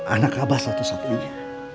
anak abah satu satunya